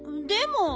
でも。